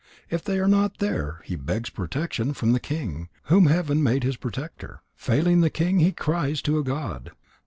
If they are not there, he begs protection from the king, whom heaven made his protector. Failing the king, he cries to a god.